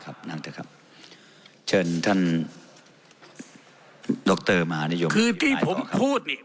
นั่งเถอะครับเชิญท่านดรมหานิยมคือที่ผมพูดนี่